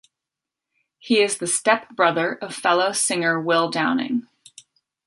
He is the step-brother of fellow singer Will Downing.